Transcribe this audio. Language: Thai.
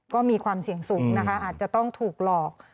ก็มีความเสี่ยงสูงนะคะอาจจะต้องถูกหลอก